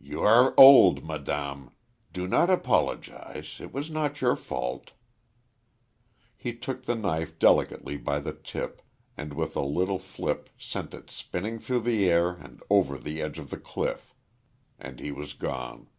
"You are old, madame. Do not apologize; it was not your fault." He took the knife delicately by the tip and with a little flip sent it spinning through the air and over the edge of the cliff. And he was gone.